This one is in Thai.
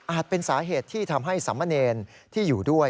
เป็นสาเหตุที่ทำให้สามเณรที่อยู่ด้วย